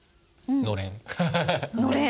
のれん。